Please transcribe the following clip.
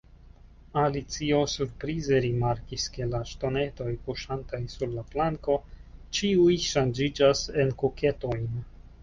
Alicio surprize rimarkis ke la ŝtonetoj kuŝantaj sur la planko ĉiuj ŝanĝiĝas en kuketojn.